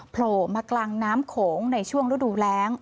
โผล่มากลางน้ำโขงในช่วงฤดูแรง